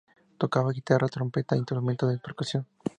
Tocaba guitarra, trompeta e instrumentos de percusión.